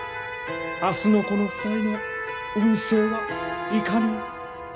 明日のこの２人の運勢はいかに。